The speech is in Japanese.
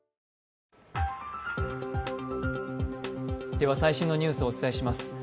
では最新のニュースをお伝えします。